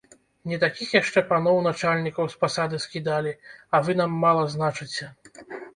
Не такіх яшчэ паноў начальнікаў з пасады скідалі, а вы нам мала значыце!